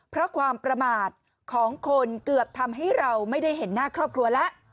เพราะความประมาทของคนเกือบทำให้เราไม่ได้เห็นหน้าครอบครัวแล้ว